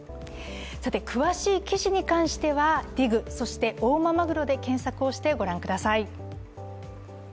詳しい記事に関してはＤＩＧ、そして大間まぐろで検索して、ご覧ください。